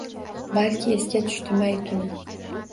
Balki, esga tushdi may tuni